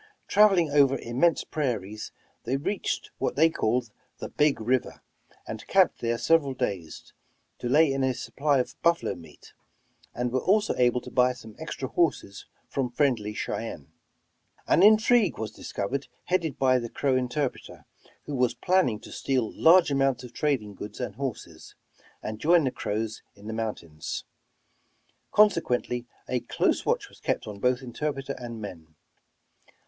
Traveling over immense prairies, they reached what they called the ''Big River," and camped there several days, to lay in a supply of buffalo meat; and were also able to buy some extra horses from friendly Chey ennes. An intrigue was discovered headed by the Crow in terpreter, who was planning to steal large amounts of trading goods and horses, and join the Crows in the mountains; consequently a close watch was kept on both interpreter and men.